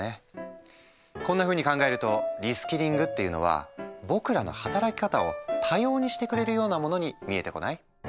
こんなふうに考えるとリスキリングっていうのは僕らの働き方を多様にしてくれるようなものに見えてこない？